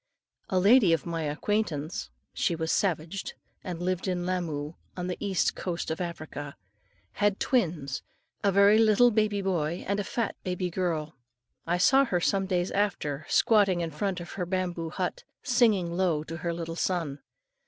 A lady of my acquaintance, she was a savage, and lived in Lamoo on the East Coast of Africa, had twins, a very little baby boy and a big fat baby girl. I saw her some days after, squatting in front of her bamboo hut, and singing low to her little son.